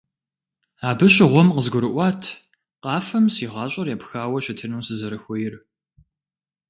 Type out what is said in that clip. Абы щыгъуэм къызгурыӀуат къафэм си гъащӀэр епхауэ щытыну сызэрыхуейр.